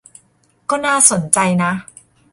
ก็น่าสนใจนะ